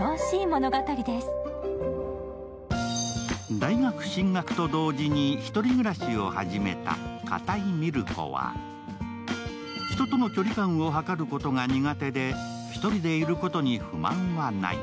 大学進学と同時に１人暮らしを始めた片井海松子は人との距離感をはかることが苦手で、１人でいることに不満はない。